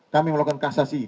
kami melakukan kasasi